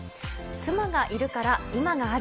妻がいるから今がある。